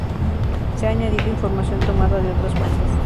Se ha añadido información tomada de otras fuentes.